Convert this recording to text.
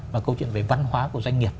và câu chuyện về văn hóa của doanh nghiệp